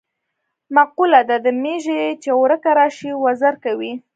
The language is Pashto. مقوله ده: د میږي چې ورکه راشي وزر کوي.